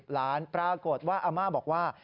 หลานปรากฏว่าอาม่าบอกว่า